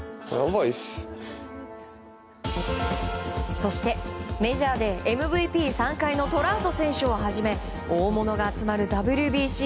そしてメジャーでＭＶＰ３回のトラウト選手をはじめ大物が集まるＷＢＣ。